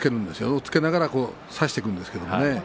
押っつけながら差していくんですけれどもね